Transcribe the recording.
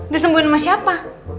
disembuhin sama siapa